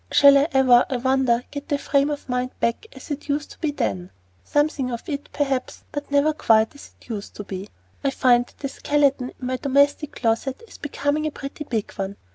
Shall I ever, I wonder, get the frame of mind back as it used to be then? Something of it, perhaps, but never quite as it used to be. I find that the skeleton in my domestic closet is becoming a pretty big one.